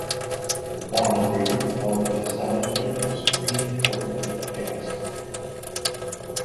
The Bonn Agreement called for the establishment of a Supreme Court of Afghanistan.